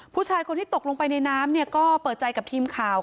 ผู้ชายคนที่ตกลงไปในน้ำเนี่ยก็เปิดใจกับทีมข่าว